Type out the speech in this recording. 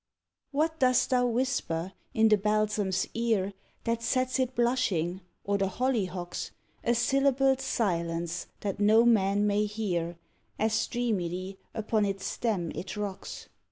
What dost thou whisper in the balsam's ear That sets it blushing, or the hollyhock's, A syllabled silence that no man may hear, As dreamily upon its stem it rocks?